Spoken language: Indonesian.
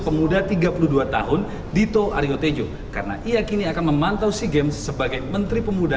pemuda tiga puluh dua tahun dito aryo tejo karena ia kini akan memantau sea games sebagai menteri pemuda